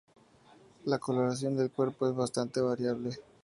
La coloración del cuerpo es bastante variable.